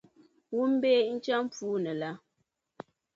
Wumbei n-chani puuni la.